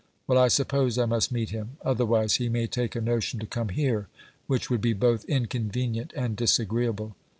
Well, I suppose I must meet him; otherwise he may take a notion to come here, which would be both inconvenient and disagreeable.